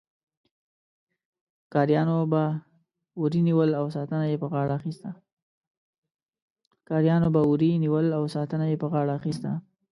ښکاریانو به وري نیول او ساتنه یې په غاړه اخیسته.